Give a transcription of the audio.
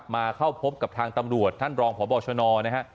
มาเข้าพบกับทางตำรวจท่านรองพบชนนะฮะ